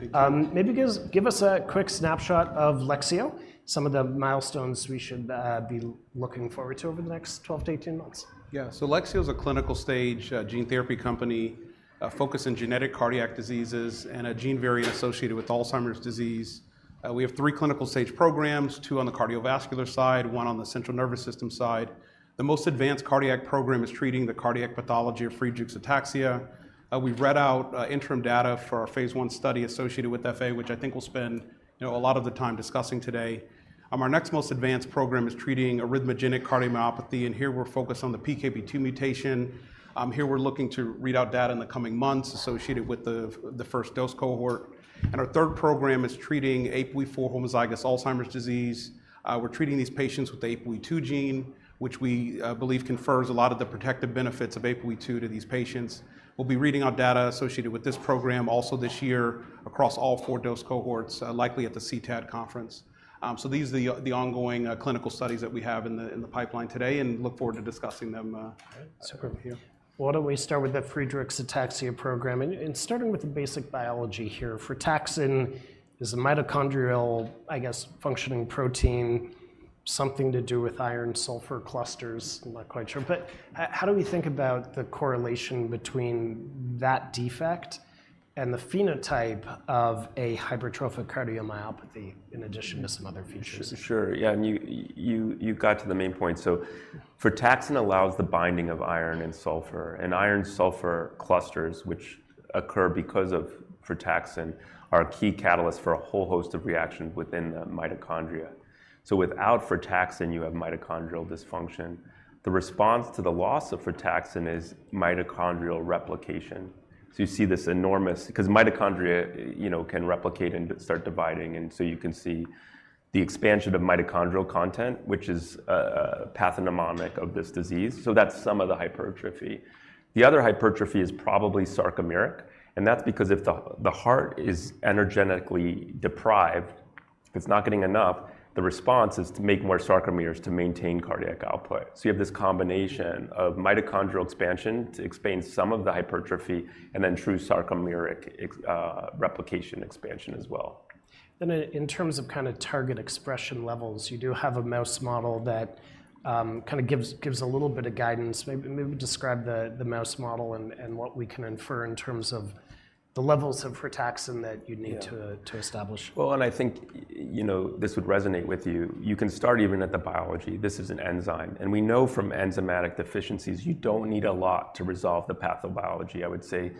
Maybe give us a quick snapshot of Lexeo, some of the milestones we should be looking forward to over the next 12-18 months. Yeah. So Lexeo is a clinical-stage gene therapy company focused on genetic cardiac diseases and a gene variant associated with Alzheimer's disease. We have three clinical-stage programs, two on the cardiovascular side, one on the central nervous system side. The most advanced cardiac program is treating the cardiac pathology of Friedreich's ataxia. We've read out interim data for our Phase 1 study associated with FA, which I think we'll spend, you know, a lot of the time discussing today. Our next most advanced program is treating arrhythmogenic cardiomyopathy, and here we're focused on the PKP2 mutation. Here, we're looking to read out data in the coming months associated with the first dose cohort. Our third program is treating APOE4 homozygous Alzheimer's disease. We're treating these patients with the APOE2 gene, which we believe confers a lot of the protective benefits of APOE2 to these patients. We'll be reading out data associated with this program also this year across all four dose cohorts, likely at the CTAD conference. These are the ongoing clinical studies that we have in the pipeline today, and look forward to discussing them. Great. Super Why don't we start with the Friedreich's ataxia program? And starting with the basic biology here, frataxin is a mitochondrial, I guess, functioning protein, something to do with iron-sulfur clusters, I'm not quite sure. But how do we think about the correlation between that defect and the phenotype of a hypertrophic cardiomyopathy, in addition to some other features? Sure, sure. Yeah, and you got to the main point. So frataxin allows the binding of iron and sulfur, and iron-sulfur clusters, which occur because of frataxin, are a key catalyst for a whole host of reactions within the mitochondria. So without frataxin, you have mitochondrial dysfunction. The response to the loss of frataxin is mitochondrial replication. So you see this enormous... Because mitochondria, you know, can replicate and start dividing, and so you can see the expansion of mitochondrial content, which is a pathognomonic of this disease, so that's some of the hypertrophy. The other hypertrophy is probably sarcomeric, and that's because if the heart is energetically deprived, it's not getting enough, the response is to make more sarcomeres to maintain cardiac output. You have this combination of mitochondrial expansion to explain some of the hypertrophy, and then true sarcomeric expansion as well. Then, in terms of kind of target expression levels, you do have a mouse model that kind of gives a little bit of guidance. Maybe describe the mouse model and what we can infer in terms of the levels of frataxin that you'd need to Yeah... to establish. Well, and I think, you know, this would resonate with you. You can start even at the biology. This is an enzyme, and we know from enzymatic deficiencies, you don't need a lot to resolve the pathobiology. I would say,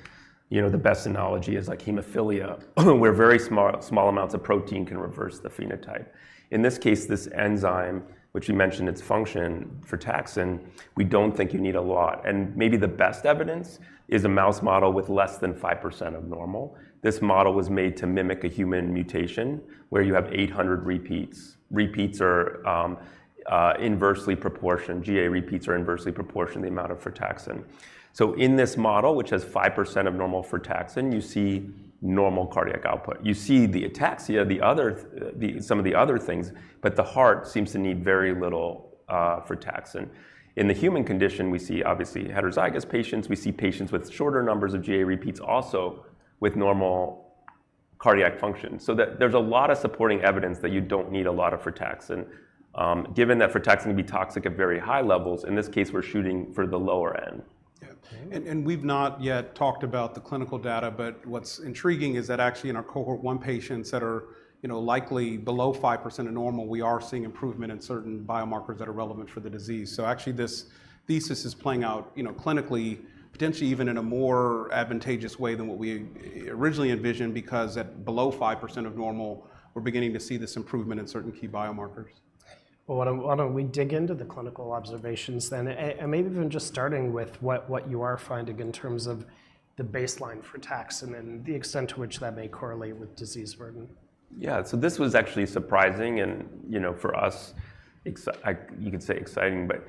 you know, the best analogy is like hemophilia, where very small, small amounts of protein can reverse the phenotype. In this case, this enzyme, which you mentioned its function, frataxin, we don't think you need a lot. And maybe the best evidence is a mouse model with less than 5% of normal. This model was made to mimic a human mutation, where you have 800 repeats. GAA repeats are inversely proportional to the amount of frataxin. So in this model, which has 5% of normal frataxin, you see normal cardiac output. You see the ataxia, the other things, but the heart seems to need very little frataxin. In the human condition, we see obviously heterozygous patients, we see patients with shorter numbers of GAA repeats, also with normal cardiac function. So there, there's a lot of supporting evidence that you don't need a lot of frataxin. Given that frataxin can be toxic at very high levels, in this case, we're shooting for the lower end. Yeah. Okay. We've not yet talked about the clinical data, but what's intriguing is that actually, in our cohort one patients that are, you know, likely below 5% of normal, we are seeing improvement in certain biomarkers that are relevant for the disease, so actually, this thesis is playing out, you know, clinically, potentially even in a more advantageous way than what we originally envisioned, because at below 5% of normal, we're beginning to see this improvement in certain key biomarkers. Why don't we dig into the clinical observations then? Maybe even just starting with what you are finding in terms of the baseline frataxin, and the extent to which that may correlate with disease burden. Yeah, so this was actually surprising and, you know, for us, exciting, but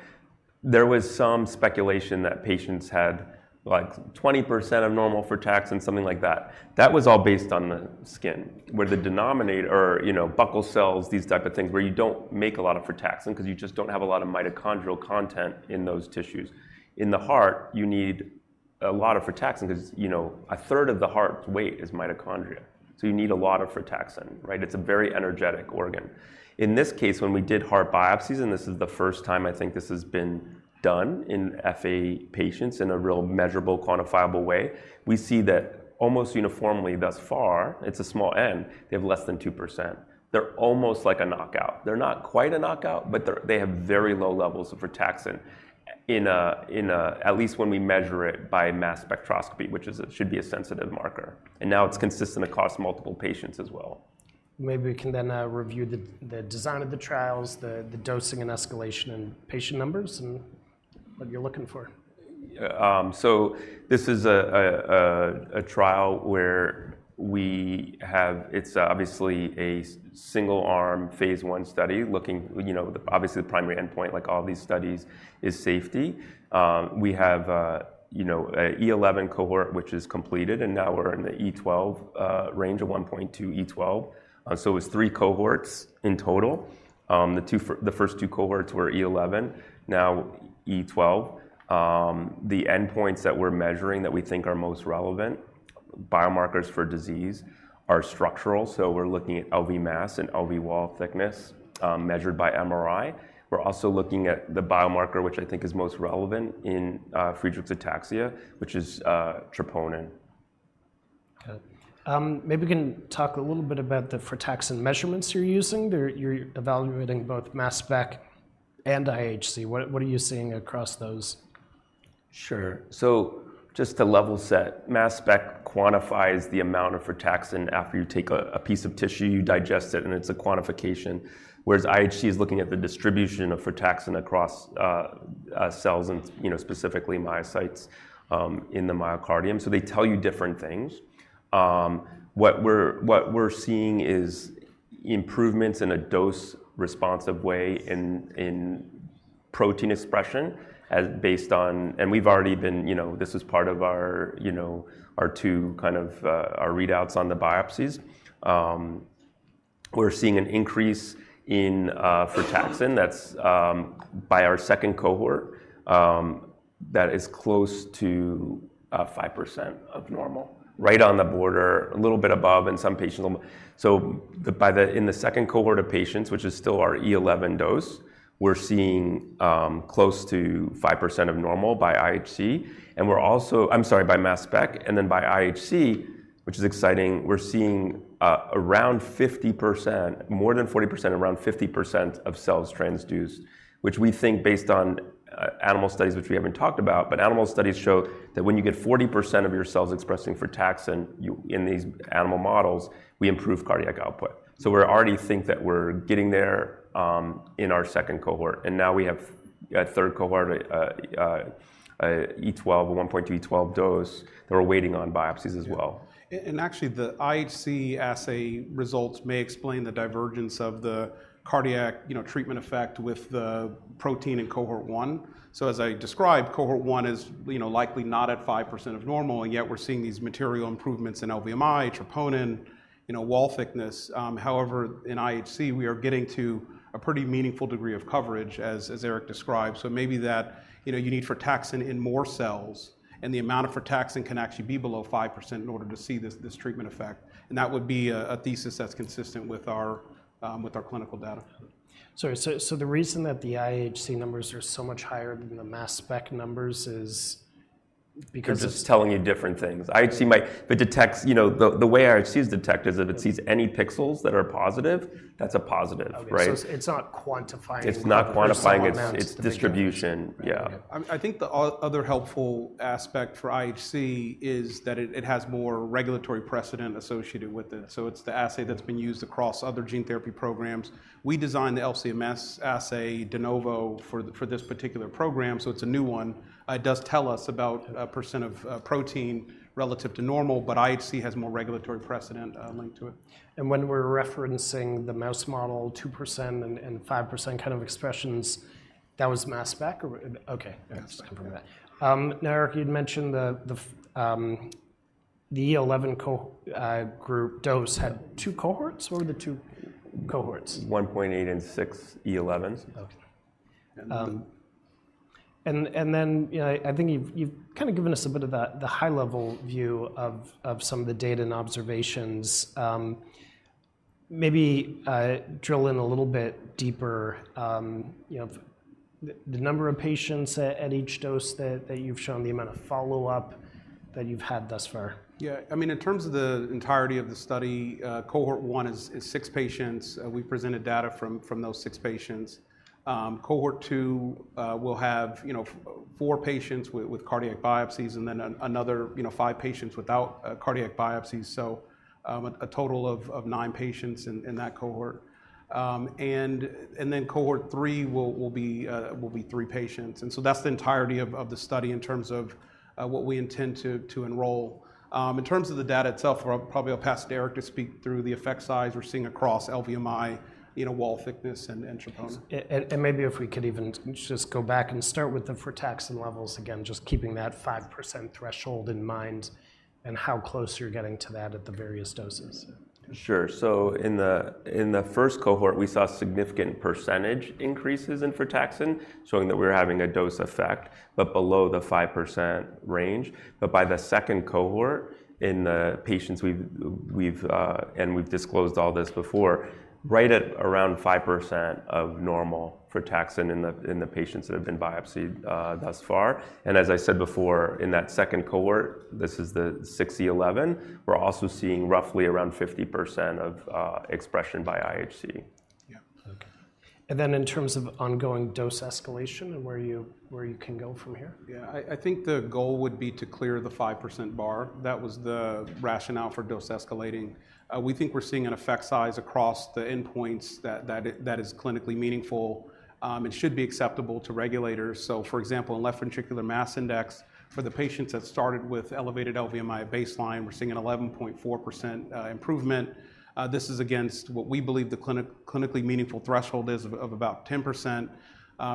there was some speculation that patients had, like, 20% of normal frataxin, something like that. That was all based on the skin, where the denominator, you know, buccal cells, these type of things, where you don't make a lot of frataxin because you just don't have a lot of mitochondrial content in those tissues. In the heart, you need a lot of frataxin because, you know, a third of the heart's weight is mitochondria, so you need a lot of frataxin, right? It's a very energetic organ. In this case, when we did heart biopsies, and this is the first time I think this has been done in FA patients in a real measurable, quantifiable way, we see that almost uniformly thus far, it's a small N, they have less than 2%. They're almost like a knockout. They're not quite a knockout, but they have very low levels of frataxin in at least when we measure it by mass spectrometry, which should be a sensitive marker. And now it's consistent across multiple patients as well. Maybe we can then review the design of the trials, the dosing and escalation in patient numbers, and what you're looking for. Yeah, so this is a trial where we have. It's obviously a single-arm, Phase 1 study, looking, you know, obviously, the primary endpoint, like all these studies, is safety. We have, you know, a E11 cohort, which is completed, and now we're in the E twelve range of one point two E twelve. So it's three cohorts in total. The first two cohorts were E eleven, now E twelve. The endpoints that we're measuring that we think are most relevant biomarkers for disease are structural, so we're looking at LV mass and LV wall thickness, measured by MRI. We're also looking at the biomarker, which I think is most relevant in Friedreich's ataxia, which is troponin. Okay. Maybe we can talk a little bit about the frataxin measurements you're using. You're evaluating both mass spec and IHC. What are you seeing across those? Sure. So just to level set, mass spec quantifies the amount of frataxin. After you take a piece of tissue, you digest it, and it's a quantification, whereas IHC is looking at the distribution of frataxin across cells and, you know, specifically myocytes in the myocardium, so they tell you different things. What we're seeing is improvements in a dose-responsive way in protein expression as based on... And we've already been, you know, this is part of our, you know, our two kind of our readouts on the biopsies. We're seeing an increase in frataxin. That's by our second cohort that is close to 5% of normal, right on the border, a little bit above in some patients. So in the second cohort of patients, which is still our E11 dose, we're seeing close to 5% of normal by IHC, and we're also- I'm sorry, by mass spec. And then, by IHC, which is exciting, we're seeing around 50%, more than 40%, around 50% of cells transduced, which we think based on animal studies, which we haven't talked about, but animal studies show that when you get 40% of your cells expressing frataxin, you, in these animal models, we improve cardiac output. So we already think that we're getting there in our second cohort, and now we have a third cohort, E12, a 1.2 E12 dose, that we're waiting on biopsies as well. Yeah. And actually, the IHC assay results may explain the divergence of the cardiac, you know, treatment effect with the protein in cohort one. So as I described, cohort one is, you know, likely not at 5% of normal, and yet we're seeing these material improvements in LVMI, troponin, you know, wall thickness. However, in IHC, we are getting to a pretty meaningful degree of coverage, as Eric described. So maybe that, you know, you need frataxin in more cells, and the amount of frataxin can actually be below 5% in order to see this treatment effect, and that would be a thesis that's consistent with our with our clinical data. Sorry, so, so the reason that the IHC numbers are so much higher than the mass spec numbers is because- They're just telling you different things. IHC might... It detects. You know, the way IHC is detected is if it sees any pixels that are positive, that's a positive, right? Okay. So it's not quantifying- It's not quantifying- The amount... It's distribution. Yeah. I think the other helpful aspect for IHC is that it has more regulatory precedent associated with it, so it's the assay that's been used across other gene therapy programs. We designed the LC-MS assay de novo for this particular program, so it's a new one. It does tell us about a % of protein relative to normal, but IHC has more regulatory precedent linked to it. When we're referencing the mouse model 2% and 5% kind of expressions, that was mass spec, or... Okay. Yeah. Just confirming that. Now, Eric, you'd mentioned the LX1001 group dose had two cohorts? What are the two cohorts? 1.86 × 10^11 Okay. And then, I think you've kind of given us a bit of the high-level view of some of the data and observations. Maybe drill in a little bit deeper, you know, the number of patients at each dose that you've shown, the amount of follow-up that you've had thus far. Yeah. I mean, in terms of the entirety of the study, cohort one is six patients. We presented data from those six patients. Cohort two will have, you know, four patients with cardiac biopsies and then another, you know, five patients without cardiac biopsies, so a total of nine patients in that cohort. Then cohort three will be three patients, and so that's the entirety of the study in terms of what we intend to enroll. In terms of the data itself, well, probably I'll pass to Eric to speak through the effect size we're seeing across LVMI, you know, wall thickness, and troponin. And maybe if we could even just go back and start with the frataxin levels again, just keeping that 5% threshold in mind and how close you're getting to that at the various doses. Sure. So in the first cohort, we saw significant percentage increases in frataxin, showing that we're having a dose effect, but below the 5% range. But by the second cohort, in the patients we've. And we've disclosed all this before, right at around 5% of normal frataxin in the patients that have been biopsied, thus far. And as I said before, in that second cohort, this is the 6E11, we're also seeing roughly around 50% of expression by IHC. Yeah. Okay. And then, in terms of ongoing dose escalation and where you can go from here? Yeah. I think the goal would be to clear the 5% bar. That was the rationale for dose escalating. We think we're seeing an effect size across the endpoints that is clinically meaningful and should be acceptable to regulators. So for example, in left ventricular mass index, for the patients that started with elevated LVMI at baseline, we're seeing an 11.4% improvement. This is against what we believe the clinically meaningful threshold is of about 10%.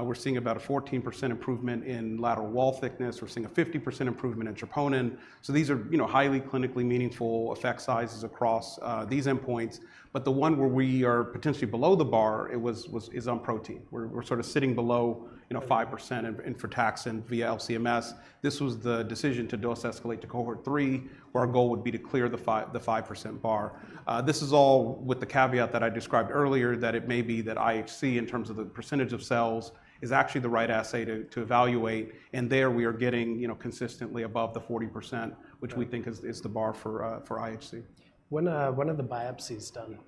We're seeing about a 14% improvement in lateral wall thickness. We're seeing a 50% improvement in troponin. So these are, you know, highly clinically meaningful effect sizes across these endpoints, but the one where we are potentially below the bar is on protein. We're sort of sitting below, you know, 5% in frataxin via LC-MS. This was the decision to dose escalate to cohort three, where our goal would be to clear the 5% bar. This is all with the caveat that I described earlier, that it may be that IHC, in terms of the percentage of cells, is actually the right assay to evaluate, and there we are getting, you know, consistently above the 40%- Right... which we think is the bar for IHC. When are the biopsies done?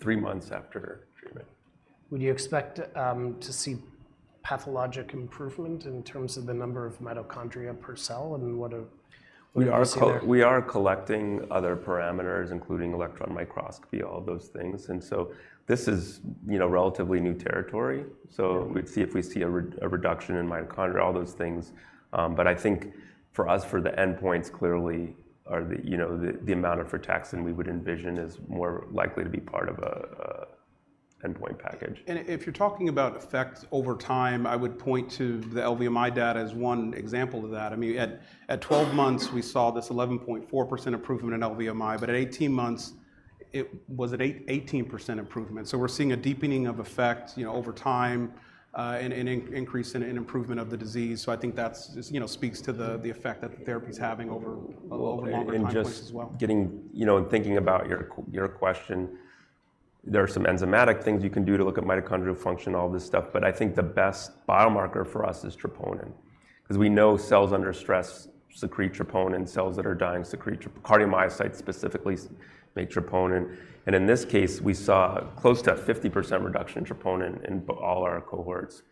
Three months after treatment. Would you expect to see pathologic improvement in terms of the number of mitochondria per cell, and what do you see there? We are collecting other parameters, including electron microscopy, all those things. And so this is, you know, relatively new territory, so we'd see if we see a reduction in mitochondria, all those things. But I think for us, the endpoints clearly are the, you know, the amount of frataxin we would envision is more likely to be part of a endpoint package. If you're talking about effects over time, I would point to the LVMI data as one example of that. I mean, at 12 months, we saw this 11.4% improvement in LVMI, but at 18 months, it was 18% improvement. So we're seeing a deepening of effect, you know, over time, and an increase and an improvement of the disease. So I think that's, you know, speaks to the effect that the therapy's having over longer time points as well. You know, in thinking about your question, there are some enzymatic things you can do to look at mitochondrial function, all this stuff, but I think the best biomarker for us is troponin, 'cause we know cells under stress secrete troponin, cells that are dying secrete troponin. Cardiomyocytes specifically make troponin, and in this case, we saw close to a 50% reduction in troponin in all our cohorts.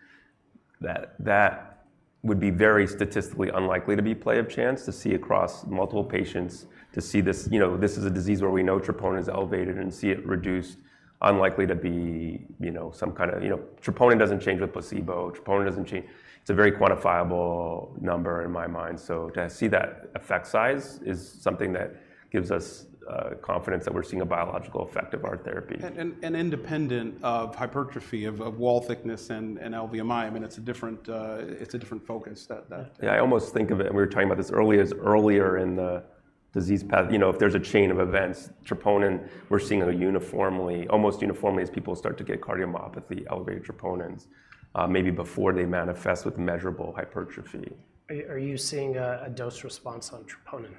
That would be very statistically unlikely to be play of chance, to see across multiple patients, to see this. You know, this is a disease where we know troponin is elevated, and see it reduced, unlikely to be, you know, some kind of. You know, troponin doesn't change with placebo. Troponin doesn't change. It's a very quantifiable number in my mind, so to see that effect size is something that gives us confidence that we're seeing a biological effect of our therapy. independent of hypertrophy of wall thickness and LVMI. I mean, it's a different focus that- Yeah, I almost think of it, and we were talking about this earlier, as earlier in the disease path. You know, if there's a chain of events, troponin, we're seeing a uniformly, almost uniformly, as people start to get cardiomyopathy, elevated troponins, maybe before they manifest with measurable hypertrophy. Are you seeing a dose response on troponin?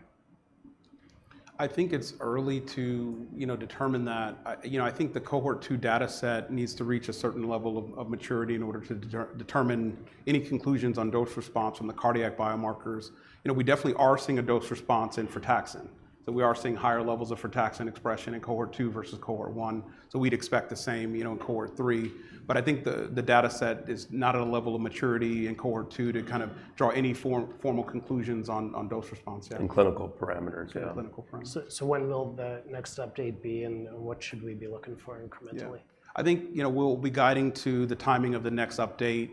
I think it's early to, you know, determine that. You know, I think the Cohort 2 data set needs to reach a certain level of maturity in order to determine any conclusions on dose response from the cardiac biomarkers. You know, we definitely are seeing a dose response in frataxin. So we are seeing higher levels of frataxin expression in Cohort 2 versus Cohort 1, so we'd expect the same, you know, in Cohort 3. But I think the data set is not at a level of maturity in Cohort 2 to kind of draw any formal conclusions on dose response yet. Clinical parameters. Yeah, clinical parameters. When will the next update be, and what should we be looking for incrementally? Yeah. I think, you know, we'll be guiding to the timing of the next update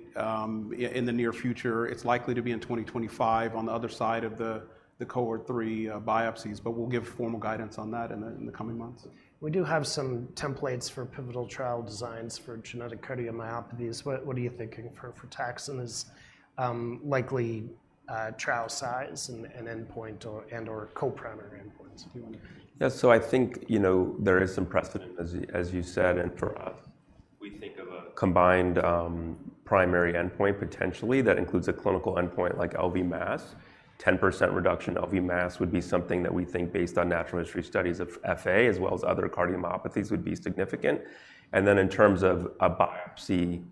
in the near future. It's likely to be in 2025 on the other side of the Cohort 3 biopsies, but we'll give formal guidance on that in the coming months. We do have some templates for pivotal trial designs for genetic cardiomyopathies. What are you thinking for frataxin's likely trial size and endpoint or and/or co-primary endpoints, if you want to- Yeah, so I think, you know, there is some precedent, as you, as you said, and for us, we think of a combined primary endpoint, potentially, that includes a clinical endpoint like LV mass. 10% reduction in LV mass would be something that we think, based on natural history studies of FA, as well as other cardiomyopathies, would be significant. And then, in terms of a biopsy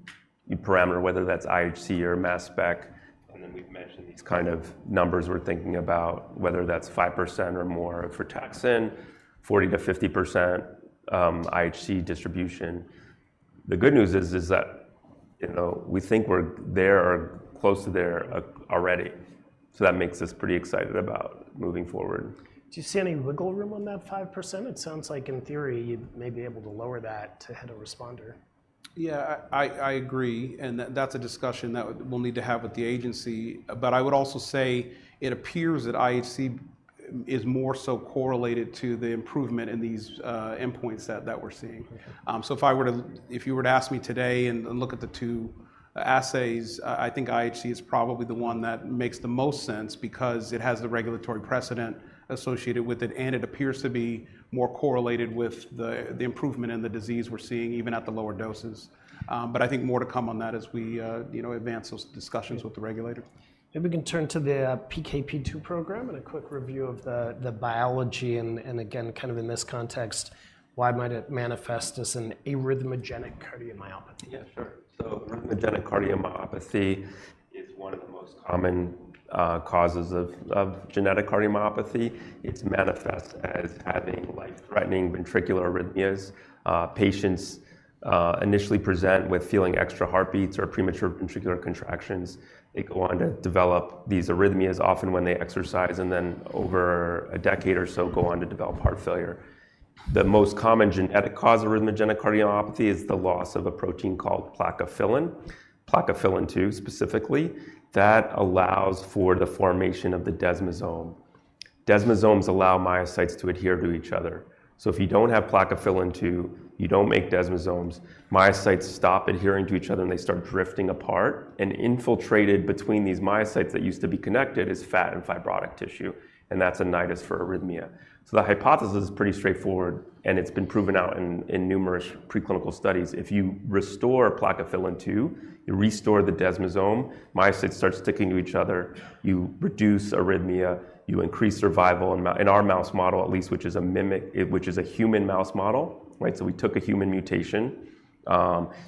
parameter, whether that's IHC or mass spec, and then we've mentioned these kind of numbers we're thinking about, whether that's 5% or more frataxin, 40%-50% IHC distribution. The good news is that, you know, we think we're there or close to there already, so that makes us pretty excited about moving forward. Do you see any wiggle room on that 5%? It sounds like, in theory, you may be able to lower that to hit a responder. Yeah, I agree, and that's a discussion that we'll need to have with the agency. But I would also say it appears that IHC is more so correlated to the improvement in these endpoints that we're seeing. If you were to ask me today and look at the two assays, I think IHC is probably the one that makes the most sense because it has the regulatory precedent associated with it, and it appears to be more correlated with the improvement in the disease we're seeing, even at the lower doses. But I think more to come on that as we you know advance those discussions with the regulator. Maybe we can turn to the PKP2 program and a quick review of the biology, and again, kind of in this context, why might it manifest as an arrhythmogenic cardiomyopathy? Yeah, sure, so arrhythmogenic cardiomyopathy is one of the most common causes of genetic cardiomyopathy. It's manifest as having life-threatening ventricular arrhythmias. Patients initially present with feeling extra heartbeats or premature ventricular contractions. They go on to develop these arrhythmias, often when they exercise, and then, over a decade or so, go on to develop heart failure. The most common genetic cause of arrhythmogenic cardiomyopathy is the loss of a protein called plakophilin, plakophilin 2, specifically. That allows for the formation of the desmosome. Desmosomes allow myocytes to adhere to each other, so if you don't have plakophilin 2, you don't make desmosomes, myocytes stop adhering to each other, and they start drifting apart, and infiltrated between these myocytes that used to be connected is fat and fibrotic tissue, and that's an nidus for arrhythmia. The hypothesis is pretty straightforward, and it's been proven out in numerous preclinical studies. If you restore plakophilin 2, you restore the desmosome, myocytes start sticking to each other, you reduce arrhythmia, you increase survival in our mouse model, at least, which is a mimic, which is a human mouse model, right? We took a human mutation,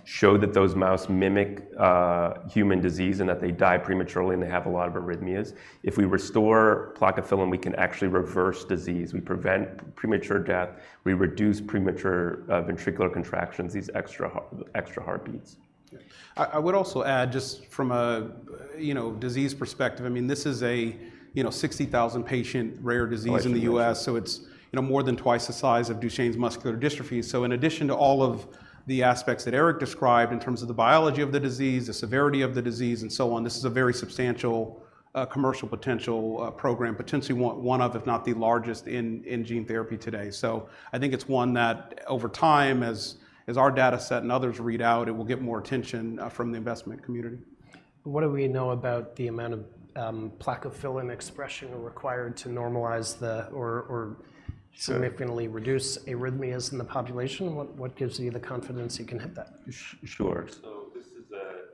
showed that those mice mimic human disease, and that they die prematurely, and they have a lot of arrhythmias. If we restore plakophilin, we can actually reverse disease. We prevent premature death, we reduce premature ventricular contractions, these extra heartbeats. Yeah. I would also add just from a, you know, disease perspective, I mean, this is a, you know, sixty thousand patient rare disease- Right. In the US, so it's, you know, more than twice the size of Duchenne muscular dystrophy. So in addition to all of the aspects that Eric described in terms of the biology of the disease, the severity of the disease, and so on, this is a very substantial commercial potential program, potentially one of, if not the largest in gene therapy today. So I think it's one that over time, as our data set and others read out, it will get more attention from the investment community. What do we know about the amount of Plakophilin expression required to normalize the... or? Sure Significantly reduce arrhythmias in the population? What, what gives you the confidence you can hit that? Sure. This is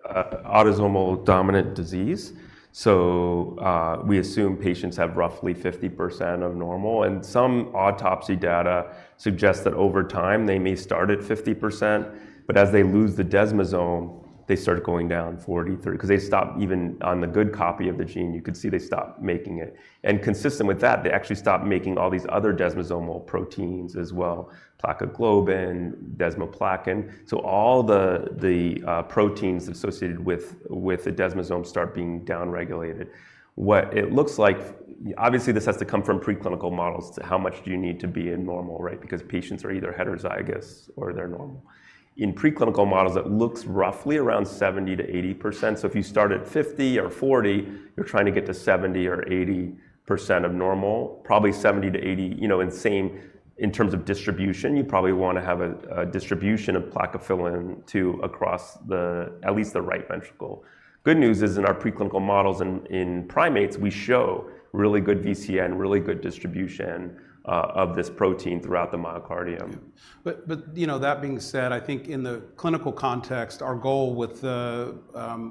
a autosomal dominant disease, so we assume patients have roughly 50% of normal. And some autopsy data suggests that over time, they may start at 50%, but as they lose the desmosome, they start going down 40, 30, 'cause they stop even on the good copy of the gene, you could see they stop making it. And consistent with that, they actually stop making all these other desmosomal proteins as well, plakoglobin, desmoplakin. So all the proteins associated with the desmosome start being downregulated. What it looks like. Obviously, this has to come from preclinical models to how much do you need to be in normal, right? Because patients are either heterozygous or they're normal. In preclinical models, it looks roughly around 70%-80%. So if you start at 50 or 40, you're trying to get to 70 or 80% of normal, probably 70 to 80%, you know, and same in terms of distribution, you probably wanna have a distribution of Plakophilin 2 across the, at least the right ventricle. Good news is, in our preclinical models in primates, we show really good VCN, really good distribution of this protein throughout the myocardium. Yeah. But you know, that being said, I think in the clinical context, our goal with the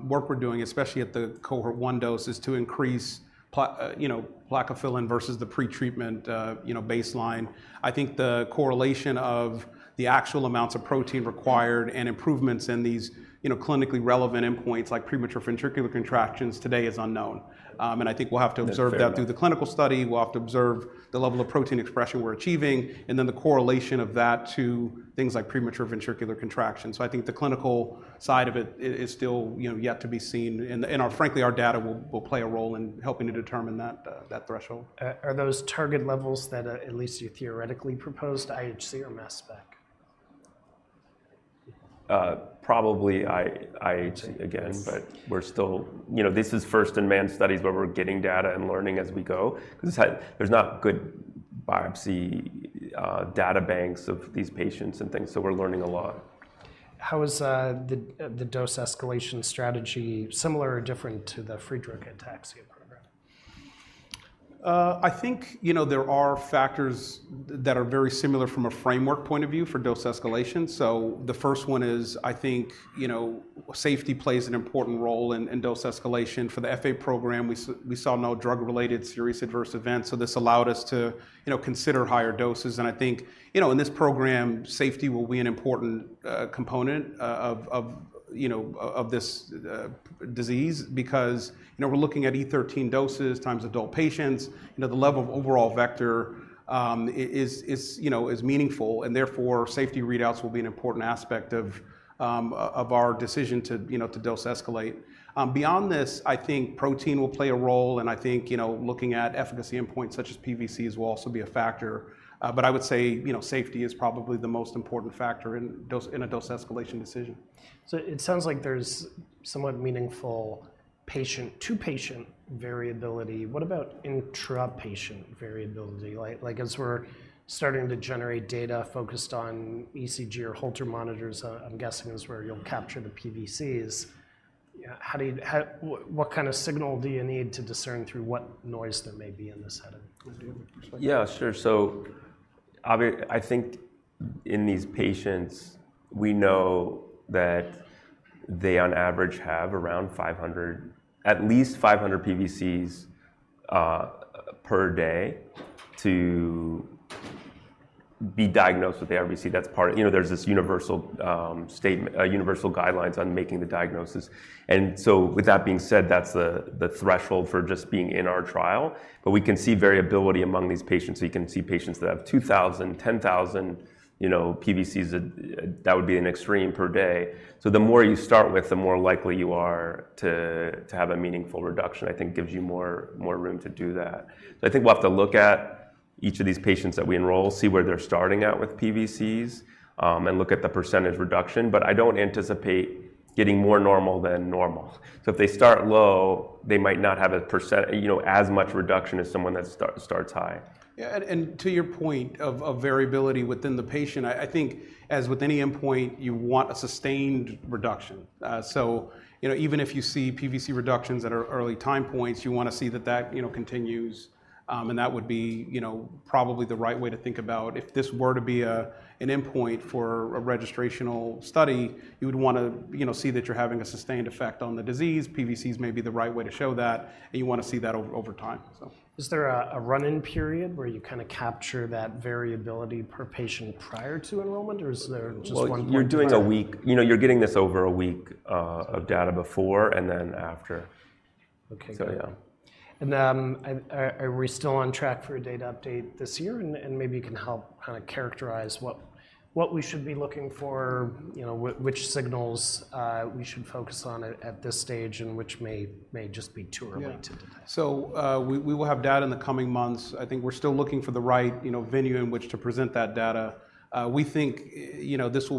work we're doing, especially at the Cohort 1 dose, is to increase plakophilin, you know, versus the pretreatment, you know, baseline. I think the correlation of the actual amounts of protein required and improvements in these, you know, clinically relevant endpoints, like premature ventricular contractions, today is unknown. And I think we'll have to observe that- That's fair Through the clinical study. We'll have to observe the level of protein expression we're achieving, and then the correlation of that to things like premature ventricular contraction. So I think the clinical side of it is still, you know, yet to be seen. And frankly, our data will play a role in helping to determine that threshold. Are those target levels that, at least you theoretically proposed, IHC or mass spec? Probably IHC again. Yes... but we're still... You know, this is first in man studies, where we're getting data and learning as we go. Because it's hard. There's not good biopsy databanks of these patients and things, so we're learning a lot. How is the dose escalation strategy similar or different to the Friedreich's ataxia program? I think, you know, there are factors that are very similar from a framework point of view for dose escalation, so the first one is, I think, you know, safety plays an important role in dose escalation. For the FA program, we saw no drug-related serious adverse events, so this allowed us to, you know, consider higher doses, and I think, you know, in this program, safety will be an important component of this disease. Because, you know, we're looking at 8e13 doses times adult patients, you know, the level of overall vector is meaningful, and therefore, safety readouts will be an important aspect of our decision to dose escalate. Beyond this, I think protein will play a role, and I think, you know, looking at efficacy endpoints such as PVCs will also be a factor. But I would say, you know, safety is probably the most important factor in a dose escalation decision. So it sounds like there's somewhat meaningful patient-to-patient variability. What about intra-patient variability? Like as we're starting to generate data focused on ECG or Holter monitors, I'm guessing is where you'll capture the PVCs. What kind of signal do you need to discern through what noise there may be in this setting? Do you wanna- Yeah, sure. I think in these patients, we know that they, on average, have around 500, at least 500 PVCs per day to be diagnosed with ARVC. That's part. You know, there's this universal statement, universal guidelines on making the diagnosis, and so with that being said, that's the threshold for just being in our trial. But we can see variability among these patients. You can see patients that have 2,000, 10,000, you know, PVCs that would be an extreme per day. The more you start with, the more likely you are to have a meaningful reduction. I think gives you more room to do that. So I think we'll have to look at each of these patients that we enroll, see where they're starting at with PVCs, and look at the percentage reduction, but I don't anticipate getting more normal than normal. So if they start low, they might not have a percent, you know, as much reduction as someone that starts high. Yeah, and to your point of variability within the patient, I think as with any endpoint, you want a sustained reduction. So, you know, even if you see PVC reductions at early time points, you wanna see that, you know, continues. And that would be, you know, probably the right way to think about if this were to be an endpoint for a registrational study, you would wanna, you know, see that you're having a sustained effect on the disease. PVCs may be the right way to show that, and you wanna see that over time, so. Is there a run-in period where you kinda capture that variability per patient prior to enrollment, or is there just one point in time? You're doing a week... You know, you're getting this over a week, of data before and then after. Okay, great. So yeah. Are we still on track for a data update this year? Maybe you can help kinda characterize what we should be looking for, you know, which signals we should focus on at this stage, and which may just be too early to detect. Yeah. So we will have data in the coming months. I think we're still looking for the right, you know, venue in which to present that data. We think, you know, this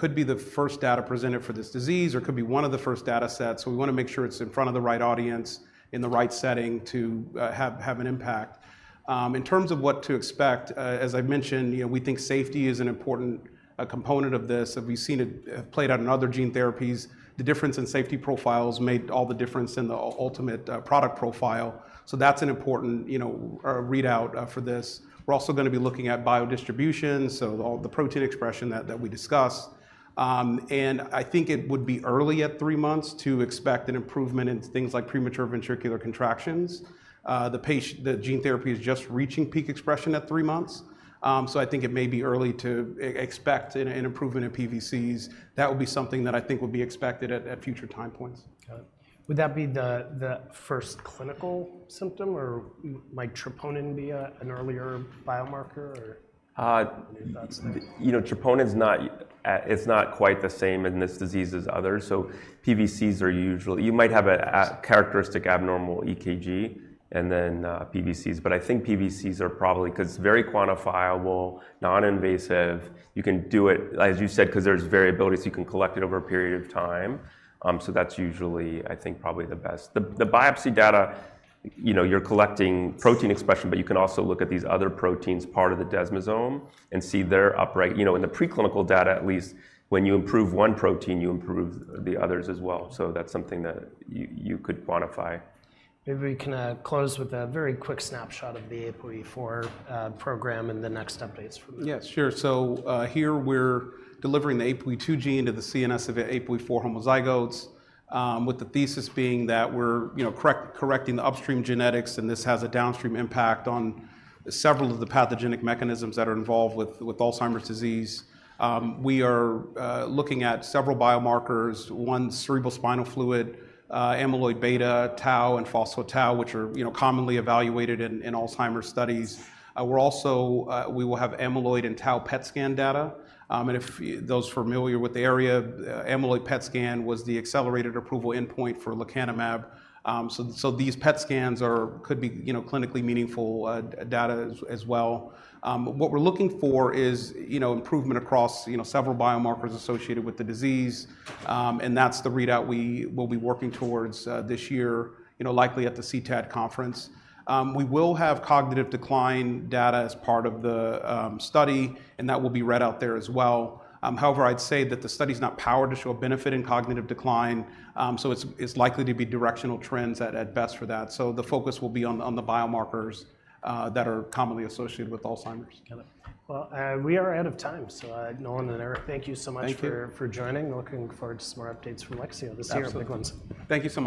could be the first data presented for this disease or could be one of the first data sets, so we wanna make sure it's in front of the right audience, in the right setting to have an impact. In terms of what to expect, as I've mentioned, you know, we think safety is an important component of this, and we've seen it played out in other gene therapies. The difference in safety profiles made all the difference in the ultimate product profile, so that's an important, you know, readout for this. We're also gonna be looking at biodistribution, so all the protein expression that we discussed, and I think it would be early at three months to expect an improvement in things like premature ventricular contractions. The gene therapy is just reaching peak expression at three months, so I think it may be early to expect an improvement in PVCs. That would be something that I think would be expected at future time points. Got it. Would that be the first clinical symptom, or might troponin be an earlier biomarker, or? Uh- Any thoughts there?... you know, troponin's not a—it's not quite the same in this disease as others, so PVCs are usual. You might have a characteristic abnormal EKG and then PVCs, but I think PVCs are probably... 'cause it's very quantifiable, non-invasive. You can do it, as you said, 'cause there's variability, so you can collect it over a period of time. So that's usually, I think, probably the best. The biopsy data, you know, you're collecting protein expression, but you can also look at these other proteins, part of the desmosome, and see they're upright. You know, in the preclinical data, at least, when you improve one protein, you improve the others as well, so that's something that you could quantify. Maybe we can close with a very quick snapshot of the APOE4 program and the next updates from there. Yes, sure. So, here we're delivering the APOE2 gene to the CNS of APOE4 homozygotes, with the thesis being that we're, you know, correcting the upstream genetics, and this has a downstream impact on several of the pathogenic mechanisms that are involved with Alzheimer's disease. We are looking at several biomarkers, one cerebrospinal fluid, amyloid beta, tau, and phospho-tau, which are, you know, commonly evaluated in Alzheimer's studies. We're also, we will have amyloid and tau PET scan data. And if those familiar with the area, amyloid PET scan was the accelerated approval endpoint for lecanemab. So, these PET scans are... could be, you know, clinically meaningful data as well. What we're looking for is, you know, improvement across, you know, several biomarkers associated with the disease, and that's the readout we will be working towards this year, you know, likely at the CTAD conference. We will have cognitive decline data as part of the study, and that will be read out there as well. However, I'd say that the study's not powered to show a benefit in cognitive decline, so it's likely to be directional trends at best for that. The focus will be on the biomarkers that are commonly associated with Alzheimer's. Got it. Well, we are out of time. So, Nolan and Eric, thank you so much. Thank you... for joining. Looking forward to some more updates from Lexeo this year. Absolutely. Big ones. Thank you so much.